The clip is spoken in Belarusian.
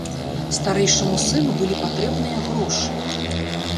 Старэйшаму сыну былі патрэбныя грошы.